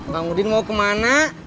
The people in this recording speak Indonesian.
bang udin mau kemana